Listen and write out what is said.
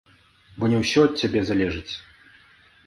Бо не ўсё ад цябе залежыць.